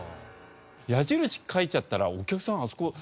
矢印書いちゃったらお客さんあそこ。